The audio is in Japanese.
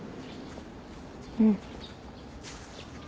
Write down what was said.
うん。